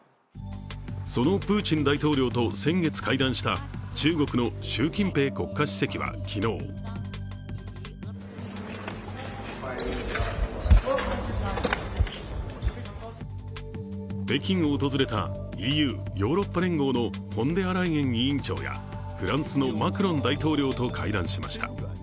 そのプーチン大統領と先月、会談した中国の習近平国家主席は昨日北京を訪れたＥＵ＝ヨーロッパ連合のフォンデアライエン委員長やフランスのマクロン大統領と会談しました。